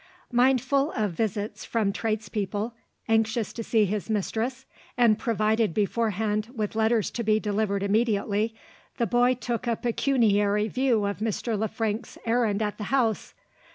Mindful of visits from tradespeople, anxious to see his mistress, and provided beforehand with letters to be delivered immediately, the boy took a pecuniary view of Mr. Le Frank's errand at the house.